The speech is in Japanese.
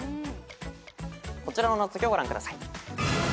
こちらの謎解きをご覧ください。